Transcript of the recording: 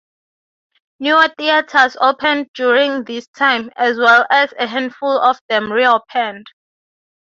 Newer theaters opened during this time, as well as a handful of them reopened.